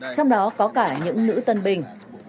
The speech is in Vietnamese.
trong đó có cả những nữ tân binh